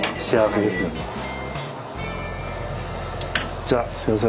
じゃあすみません。